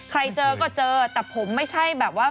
เจอก็เจอแต่ผมไม่ใช่แบบว่า